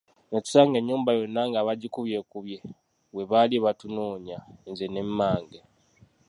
Ne tusanga ennyumba yonna nga bagikubyekubye bwe baali batunoonya nze ne mmange.